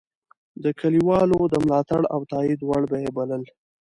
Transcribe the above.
د کلیوالو د ملاتړ او تایید وړ به یې بلل.